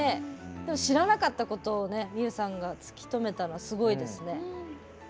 知らなかったことをみゆさんが突き止めたのはすごいですね。